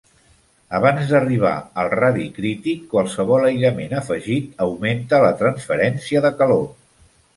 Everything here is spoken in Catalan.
Abans d'arribar al radi crític qualsevol aïllament afegit augmenta la transferència de calor.